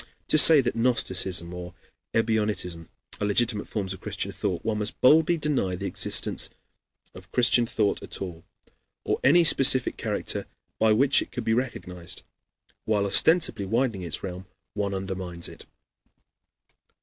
To say that gnosticism or ebionitism are legitimate forms of Christian thought, one must boldly deny the existence of Christian thought at all, or any specific character by which it could be recognized. While ostensibly widening its realm, one undermines it.